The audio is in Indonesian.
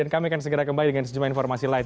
dan kami akan segera kembali dengan informasi lain